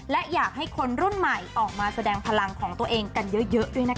และอยากให้คนรุ่นใหม่ออกมาแสดงพลังของตัวเองกันเยอะด้วยนะคะ